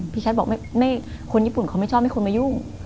ชัดบอกคนญี่ปุ่นเขาไม่ชอบให้คนมายุ่ง